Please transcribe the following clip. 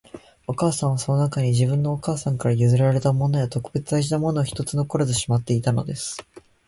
お母さんは、その中に、自分のお母さんから譲られたものや、特別大切なものを一つ残らずしまっていたのです